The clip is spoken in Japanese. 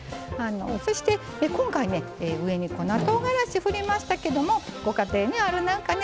そして今回ね上に粉とうがらしふりましたけどもご家庭にある何かね